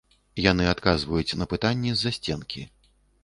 Яны адказваюць на пытанні з-за сценкі.